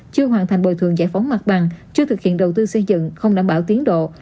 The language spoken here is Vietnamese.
chưa hoàn thành bồi thường giải phóng mặt bằng chưa thực hiện đầu tư xây dựng không đảm bảo tiến độ